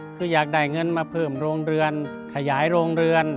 คืออยากได้เงินมาเพิ่มโรงเรือนขยายโรงเรือน